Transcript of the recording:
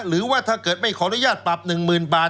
หรือว่าถ้าเกิดไม่ขออนุญาตปรับ๑๐๐๐บาท